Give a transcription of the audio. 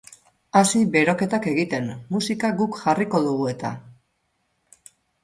Hasi beroketak egiten, musika guk jarriko dugu eta!